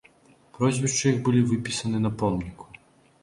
Прозвішчы іх былі выпісаны на помніку.